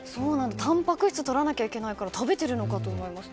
たんぱく質を取らなければいけないから食べているのかと思いました。